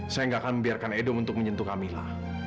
saya gak akan membiarkan edom untuk menyentuh kamila